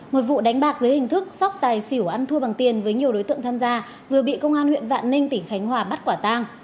một vụ đánh bạc dưới hình thức sóc tài xỉu ăn thua bằng tiền với nhiều đối tượng tham gia vừa bị công an huyện vạn ninh tỉnh khánh hòa bắt quả tang